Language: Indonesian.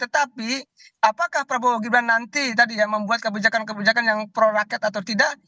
tetapi apakah prabowo gibran nanti tadi ya membuat kebijakan kebijakan yang pro rakyat atau tidak